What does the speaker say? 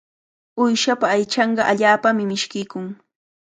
Uyshapa aychanqa allaapami mishkiykun.